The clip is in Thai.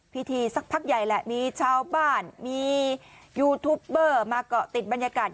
สักพักใหญ่แหละมีชาวบ้านมียูทูปเบอร์มาเกาะติดบรรยากาศ